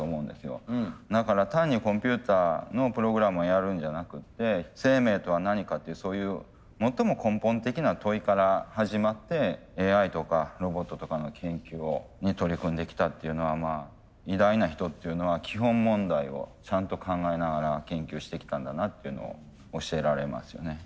だから単にコンピューターのプログラムをやるんじゃなくって生命とは何かというそういう最も根本的な問いから始まってＡＩとかロボットとかの研究に取り組んできたっていうのは偉大な人っていうのは基本問題をちゃんと考えながら研究してきたんだなっていうのを教えられますよね。